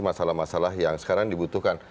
masalah masalah yang sekarang dibutuhkan